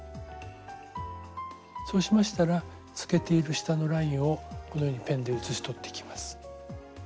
そうしましたら透けている下のラインをこのようにペンで写し取っていきます。